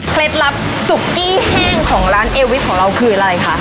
ลับซุกกี้แห้งของร้านเอวิทของเราคืออะไรคะ